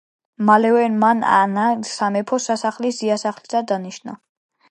მალევე მან ანა სამეფო სასახლის დიასახლისად დანიშნა.